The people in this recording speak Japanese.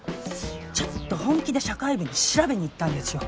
ちょっと本気で社会部に調べにいったんですよ。